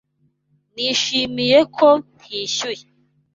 Nishimiye ko ntishyuye.